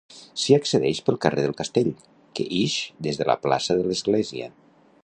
S'hi accedeix pel carrer del Castell, que ix des de la plaça de l'Església.